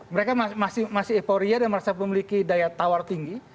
mereka masih euforia dan merasa memiliki daya tawar tinggi